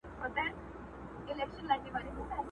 نسته څوک د رنځ طبیب نه د چا د زړه حبیب!.